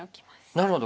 なるほど。